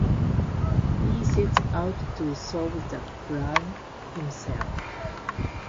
He sets out to solve the crime himself.